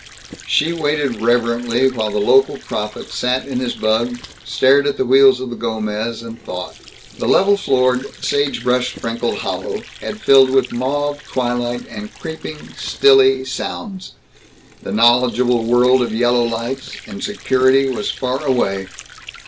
She waited reverently while the local prophet sat in his bug, stared at the wheels of the Gomez, and thought. The level floored, sagebrush sprinkled hollow had filled with mauve twilight and creeping stilly sounds. The knowable world of yellow lights and security was far away.